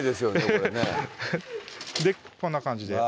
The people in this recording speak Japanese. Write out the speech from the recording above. これねこんな感じです